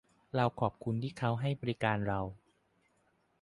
เราขอบคุณที่เค้าให้บริการเรา